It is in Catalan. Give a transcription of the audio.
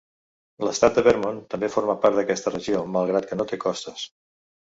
L'estat de Vermont també forma part d'aquesta regió, malgrat que no té costes.